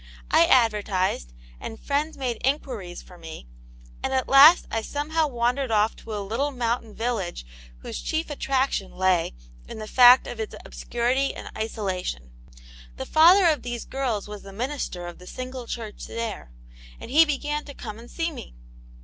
I advertised, and friends made inquiries for me, and at last I somehow wandered off to a little mountain village whose chief attraction lay in the fact of its obscurity and isolation. . The father of these girls was the minister of the single church there, and he began to come and see me.